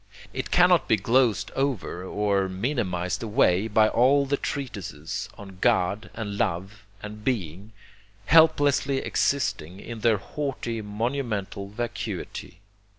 It cannot be glozed over or minimized away by all the treatises on God, and Love, and Being, helplessly existing in their haughty monumental vacuity.